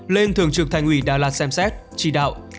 lên thường trực thành ủy đà lạt xem xét chỉ đạo